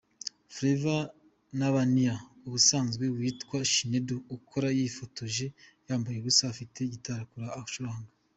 Flavour N’abania ubusanzwe witwa Chinedu Okoli yifotoje yambaye ubusa, afite gitari acuranga.